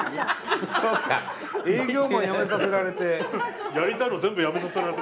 営業マン辞めさせられて。